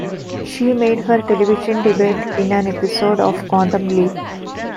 She made her television debut in an episode of "Quantum Leap".